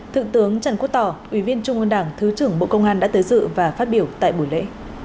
thượng tướng trần quốc tỏ ủy viên trung ương đảng thứ trưởng bộ công an đã tới dự và phát biểu tại buổi lễ